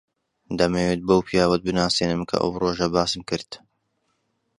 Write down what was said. دەمەوێت بەو پیاوەت بناسێنم کە ئەو ڕۆژە باسم کرد.